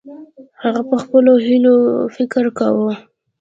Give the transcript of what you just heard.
هغه په خپلو هیلو فکر کاوه.